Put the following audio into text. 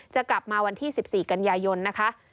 จะกลับมาวันที่๑๔กันยายนนะคะ